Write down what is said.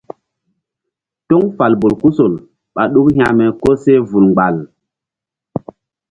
Toŋ fal bolkusol ɓá ɗuk hȩkme koseh vul mgbal.